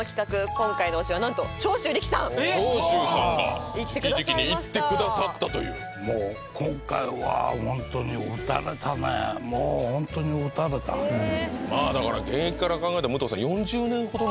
今回の推しはなんと長州力さん長州さんがじきじきに行ってくださったというもう今回はホントに打たれたねもうホントに打たれたまぁだから現役から考えたら武藤さん